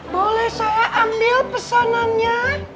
boleh saya ambil pesanannya